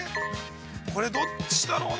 これどっちだろうな。